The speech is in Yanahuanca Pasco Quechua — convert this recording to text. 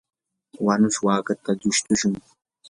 wanush wakata lushtishun.